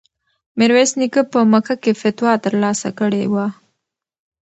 میرویس نیکه په مکه کې فتوا ترلاسه کړې وه.